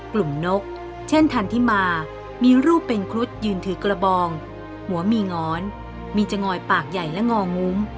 นกเช่นทันทิมามีรูปเป็นครุฑยืนถือกระบองหัวมีง้อนมีจะงอยปากใหญ่และงองุ้ม